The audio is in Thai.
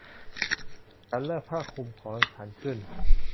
ฉันเลิกผ้าคลุมของฉันขึ้น